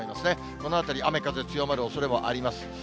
このあたり、雨風強まるおそれもあります。